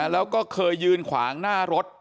แล้วก็เคยยืนขวางหน้ารถ